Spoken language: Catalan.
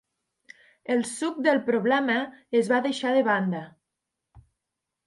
El suc del problema es va deixar de banda.